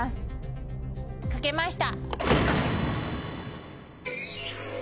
かけました。